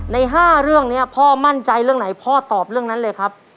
ใน๕เรื่องนี้พ่อมั่นใจเรื่องไหนพ่อตอบเรื่องนั้นเลยครับ